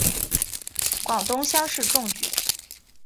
广东乡试中举。